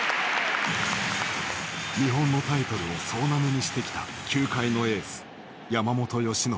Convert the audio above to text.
日本のタイトルを総なめにしてきた球界のエース山本由伸。